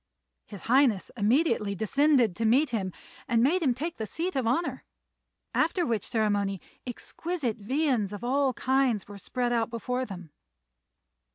His Highness immediately descended to meet him, and made him take the seat of honour; after which ceremony exquisite viands of all kinds were spread out before them.